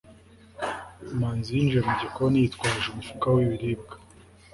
manzi yinjiye mu gikoni, yitwaje umufuka w ibiribwa